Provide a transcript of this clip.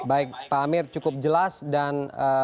baik pak amir cukup jelas dan